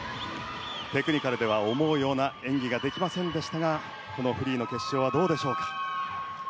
テクニカルでは思うような演技ができませんでしたがこのフリーの決勝はどうでしょうか。